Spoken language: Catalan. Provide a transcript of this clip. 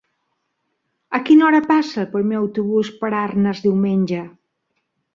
A quina hora passa el primer autobús per Arnes diumenge?